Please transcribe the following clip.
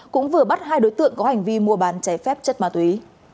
cũng vừa bắt hai đối tượng có hành vi mua bán cháy phép chất ma túy